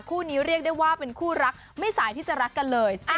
คู่นี้เรียกได้ว่าเป็นคู่รักไม่สายที่จะรักกันเลย